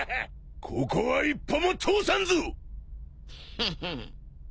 ここは一歩も通さんぞ！